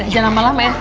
jangan lama lama ya